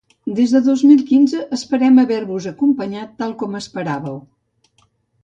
Des de dos mil quinze esperem haver-vos acompanyat tal com esperàveu.